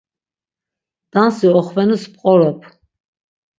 Dansi oxvenus p̌qorop.